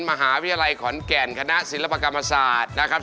มหาวิทยาลัยขอนแก่นคณะศิลปกรรมศาสตร์นะครับ